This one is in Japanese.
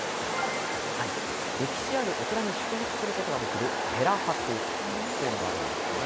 歴史あるお寺に宿泊することができる寺泊というものがあるんですね。